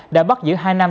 đã bắt giữ hai năm